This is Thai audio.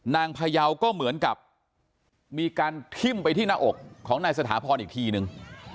พยาวก็เหมือนกับมีการทิ้มไปที่หน้าอกของนายสถาพรอีกทีนึง